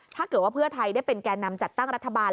ถ้าเกิดว่าเพื่อไทยได้เป็นแก่นำจัดตั้งรัฐบาล